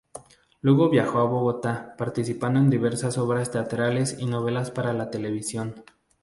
Luego viajó a Bogotá, participando en diversas obras teatrales y novelas para la televisión.